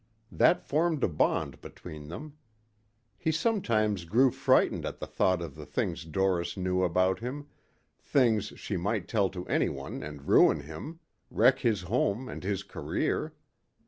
That formed a bond between them. He sometimes grew frightened at the thought of the things Doris knew about him things she might tell to anyone and ruin him; wreck his home and his career.